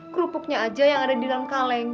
kerupuknya aja yang ada di dalam kaleng